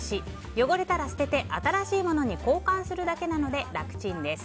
汚れたら捨てて、新しいものに交換するだけなので楽チンです。